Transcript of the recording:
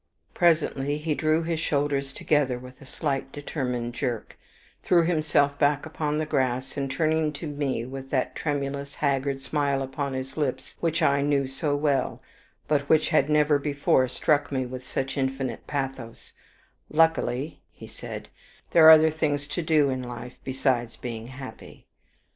VIII Presently he drew his shoulders together with a slight determined jerk, threw himself back upon the grass, and turning to me, with that tremulous, haggard smile upon his lips which I knew so well, but which had never before struck me with such infinite pathos, "Luckily," he said, "there are other things to do in life besides being happy.